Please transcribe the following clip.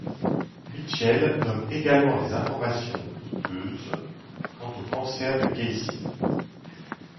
Mitchell nomme également des informations douteuses quant au cancer de Kaycee.